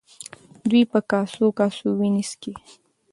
دوی په کاسو کاسو وینې څښي.